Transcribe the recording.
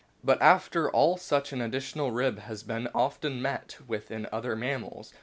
But after all such an additional rib has been often met with in other mammals.